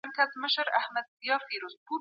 ایا ځايي کروندګر وچ توت ساتي؟